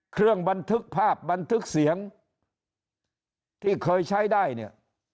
บันทึกภาพบันทึกเสียงที่เคยใช้ได้เนี่ย